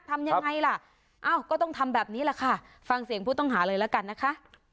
ทำยังไงล่ะเอ้าก็ต้องทำแบบนี้แหละค่ะฟังเสียงผู้ต้องหาเลยละกันนะคะ